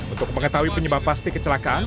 untuk mengetahui penyebab pasti kecelakaan